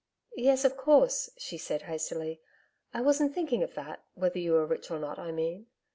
'Yes, of course,' she said hastily 'I wasn't thinking of that whether you were rich or not, I mean.'